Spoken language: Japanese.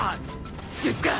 術か！？